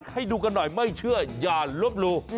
ให้ดูกันหน่อยไม่เชื่ออย่าลบหลู่